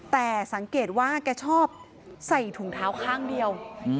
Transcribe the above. แต่สังเกตว่าแกชอบใส่ถุงเท้าข้างเดียว